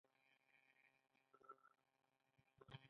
آیا کاناډا د ماشومانو اداره نلري؟